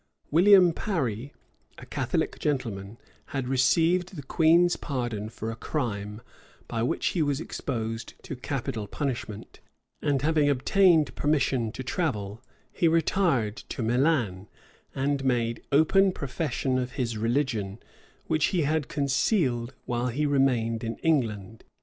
William Parry, a Catholic gentleman, had received the queen's pardon for a crime by which he was exposed to capital punishment; and having obtained permission to travel, he retired to Milan, and made open profession of his religion, which he had concealed while he remained in England.